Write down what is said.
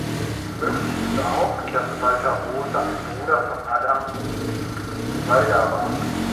Möglich ist auch, das Walther Rose ein Bruder von Ada und Walda war.